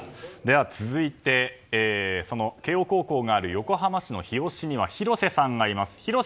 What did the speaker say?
続いて慶應高校がある横浜市の日吉には広瀬さんがいます。